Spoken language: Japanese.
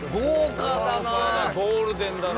ゴールデンだな。